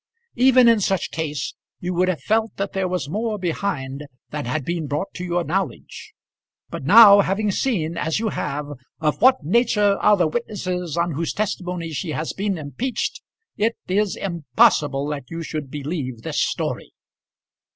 Even in such case you would have felt that there was more behind than had been brought to your knowledge. But now, having seen, as you have, of what nature are the witnesses on whose testimony she has been impeached, it is impossible that you should believe this story.